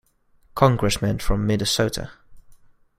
Congressman from Minnesota.